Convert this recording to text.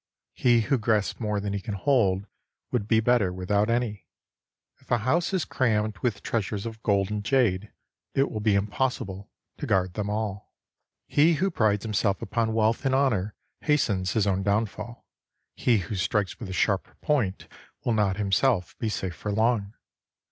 He who grasps more than he can hold, would be better without any. If a house is crammed with treasures of gold and jade, it will be impos sible to guard them all. He who prides himself upon wealth and honour hastens his own downfall. He who strikes with a sharp point will not himself be safe for long.